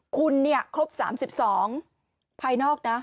คุณครบ๓๒ภายนอกนะ